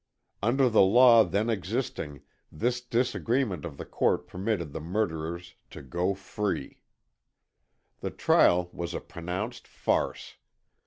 Under the law then existing this disagreement of the court permitted the murderers to go free. The trial was a pronounced farce.